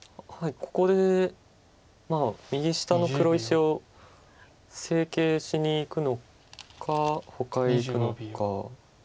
ここで右下の黒石を整形しにいくのかほかへいくのか。